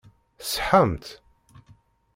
Tṣeḥḥamt?